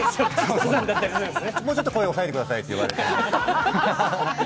もうちょっと声を抑えてくださいって言われて。